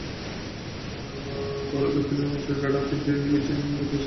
আগুনে ঘরের দক্ষিণ অংশের বেড়া, তিনটি টিন, ভেতরের সিলিং পুড়ে যায়।